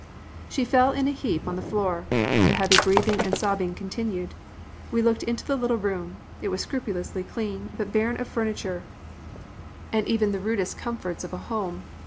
"She fell in a heap on the floor. The heavy breathing and sobbing continued. We looked into the little room. It was scrupulously clean, but barren of furniture and even the rudest comforts of a home.